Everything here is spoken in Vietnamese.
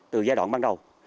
từ giai đoạn ban đầu